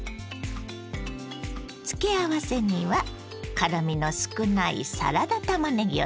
付け合わせには辛みの少ないサラダたまねぎを使います。